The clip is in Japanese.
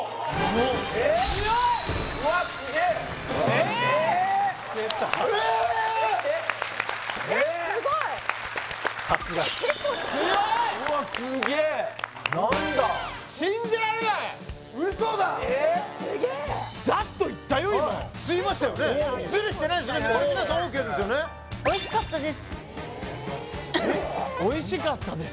「おいしかったです」